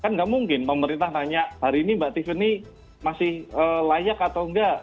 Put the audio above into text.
kan gak mungkin pemerintah nanya hari ini mbak tiffany masih layak atau enggak